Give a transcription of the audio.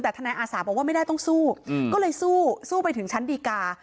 แต่ทนายอาสาบอกว่าไม่ได้ต้องสู้ก็เลยสู้สู้ไปถึงชั้นดีกา